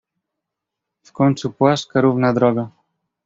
"W końcu płaska równa droga."